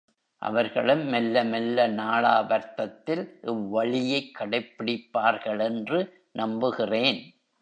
அவர்களும் மெல்ல மெல்ல, நாளாவர்த்தத்தில் இவ்வழியைக் கடைப்பிடிப்பார்களென்று நம்புகிறேன்.